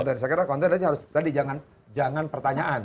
dari saya kira konten tadi harus jangan pertanyaan